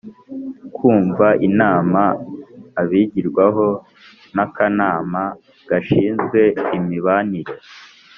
kumva inama abigirwaho n Akanama gashinzwe imibanire